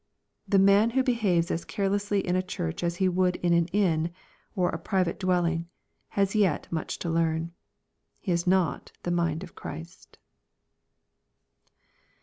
The man who behaves as carelessly in a church / as he would in an inn, or a private dwelling, has yet much to learn. He has not the " mind of Christ."